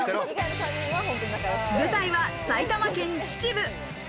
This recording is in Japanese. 舞台は埼玉県秩父。